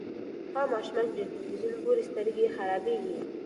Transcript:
هغه ماشوم چې ډېر تلویزیون ګوري، سترګې یې خرابیږي.